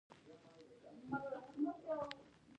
هغه مزد چې د اجناسو په ډول وي واقعي مزد نومېږي